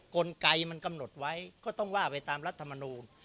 กลไกมันกำหนดไว้ก็ต้องว่าไปตามรัฐมนูล